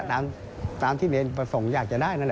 คุณผู้ชมฟังเสียงเจ้าอาวาสกันหน่อยค่ะ